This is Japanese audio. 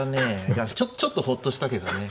いやちょっとほっとしたけどね。